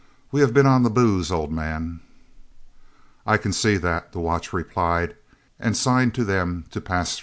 We have been on the booze, old man." "I can see that," the watch replied and signed to them to pass on.